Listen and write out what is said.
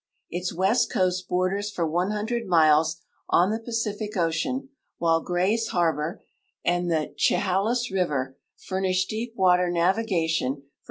Its west coast borders for 100 miles on the Paeilic ocean, while firay's harbor and the Chehalis river furnish deep water naviga tion for